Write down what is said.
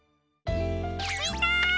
みんな！